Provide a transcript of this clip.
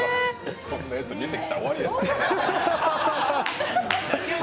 こんなやつ店来たら終わりや！